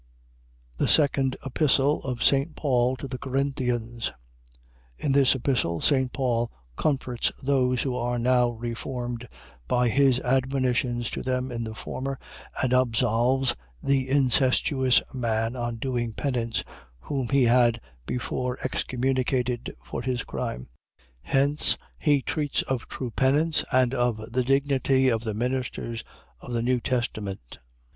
THE SECOND EPISTLE OF ST. PAUL TO THE CORINTHIANS In this Epistle St. Paul comforts those who are now reformed by his admonitions to them in the former and absolves the incestuous man on doing penance, whom he had before excommunicated for his crime. Hence he treats of true penance and of the dignity of the ministers of the New Testament.